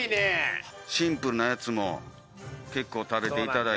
シンプルなやつも結構食べていただいて。